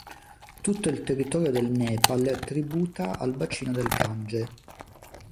Tutto il territorio del Nepal tributa al bacino del Gange.